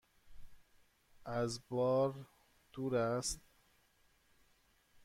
از بار دور است؟